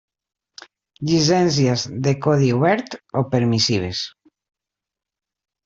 Llicències de codi obert o permissives.